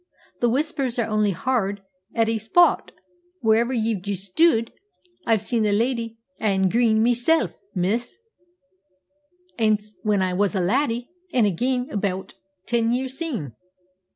"The Whispers are only h'ard at ae spot, whaur ye've juist stood. I've seen the lady a' in green masel', miss aince when I was a laddie, an' again aboot ten year syne."